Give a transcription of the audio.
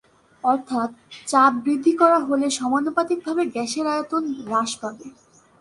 অর্থাৎ, চাপ বৃদ্ধি করা হলে সমানুপাতিক ভাবে গ্যাসের আয়তন হ্রাস পাবে।